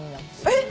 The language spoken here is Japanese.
えっ！